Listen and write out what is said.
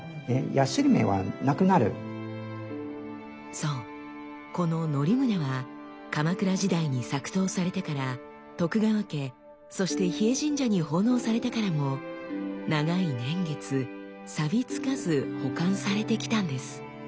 そうこの則宗は鎌倉時代に作刀されてから徳川家そして日枝神社に奉納されてからも長い年月さび付かず保管されてきたんです。